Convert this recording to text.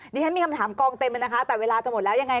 นี่ด้วยมีคำถามกล่องเต็มนะคะแต่เวลาจะหมดแล้วยังไง